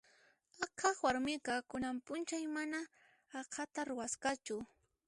Aqhaq warmiqa kunan p'unchay mana aqhata ruwasqachu.